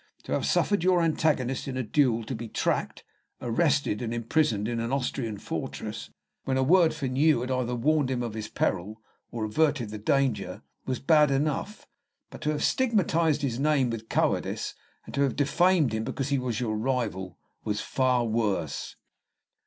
To have suffered your antagonist in a duel to be tracked, arrested, and imprisoned in an Austrian fortress, when a word from you had either warned him of his peril or averted the danger, was bad enough; but to have stigmatized his name with cowardice, and to have defamed him because he was your rival, was far worse."